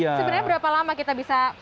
sebenarnya berapa lama kita bisa